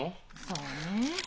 そうねえ。